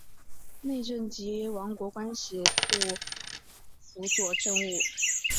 内政及王国关系部辅佐政务。